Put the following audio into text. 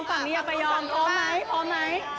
พร้อมไหมพร้อมไหม